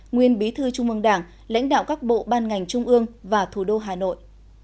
nguyên bí thư trung mương đảng lãnh đạo các bộ ban ngành trung ương và thủ đô hà nội